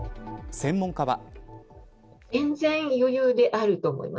専門家は。